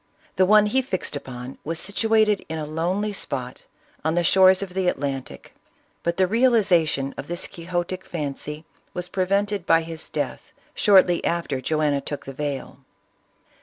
The one he fixed upon was situated in a lonely spot on the shores of the Atlantic, but the realization of this quixotic fancy was prevented by his death, shortly after Joanna took the veil.